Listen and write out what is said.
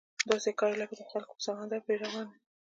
داسې ښکاري لکه د خلکو سمندر پرې روان وي.